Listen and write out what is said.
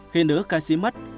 khi nữ ca sĩ mất